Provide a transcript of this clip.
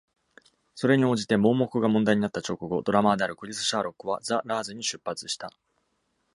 それに応じて、「盲目」が問題になった直後、ドラマーであるクリス・シャーロックはザ・ラーズに出発した。